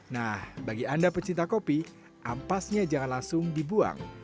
nah bagi anda pecinta kopi ampasnya jangan langsung dibuang